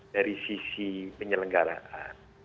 dari sisi penyelenggaraan